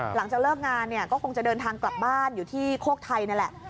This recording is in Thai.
หลังจากเลิกงานเนี่ยก็คงจะเดินทางกลับบ้านอยู่ที่โคกไทยนั่นแหละ